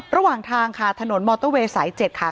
ระหว่างทางค่ะถนนมอเตอร์เวย์สาย๗ค่ะ